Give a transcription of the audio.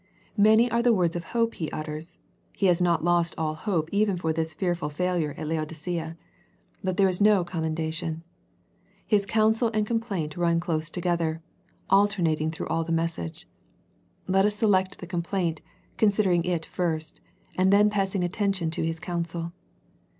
Many are the words of hope He utters. He has not lost all hope even for this fearful failure at Laodicea. But there is no commendation. His counsel and complaint run close together, alternating through all the message. Let u^ select the complaint, considering it first, and then passing to attention to His counsel.